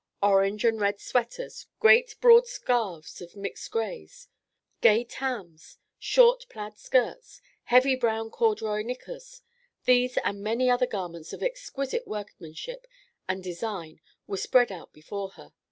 Orange and red sweaters; great, broad scarfs of mixed grays; gay tams; short plaid skirts; heavy brown corduroy knickers; these and many other garments of exquisite workmanship and design were spread out before her.